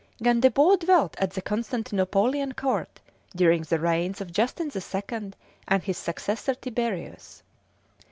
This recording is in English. Gondebaud dwelt at the Constantinopolitan court during the reigns of Justin the Second and his successor Tiberius.